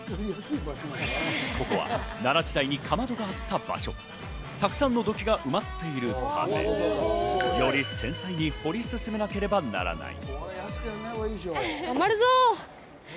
ここは奈良時代にかまどがあった場所、たくさんの土器が埋まっているため、より繊細に掘り進めなければならない。